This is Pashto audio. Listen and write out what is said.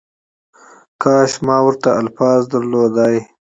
کاش ما ورته الفاظ درلودلای